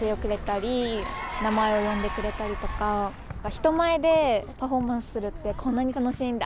人前でパフォーマンスするってこんなに楽しいんだ！